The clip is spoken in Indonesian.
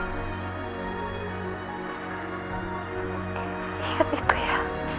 ingat itu ya